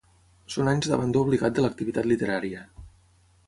Són anys d'abandó obligat de l'activitat literària.